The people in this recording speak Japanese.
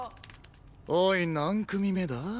おい何組目だ？